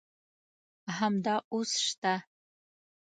همدا اوس شته.